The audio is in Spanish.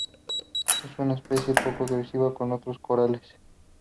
Es una especie poco agresiva con otros corales.